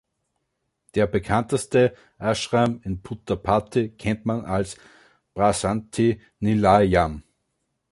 Der bekannteste Ashram in Puttaparthi kennt man als Prasanthi Nilayam.